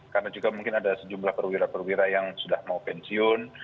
karena juga mungkin ada sejumlah perwira perwira yang sudah mau pensiun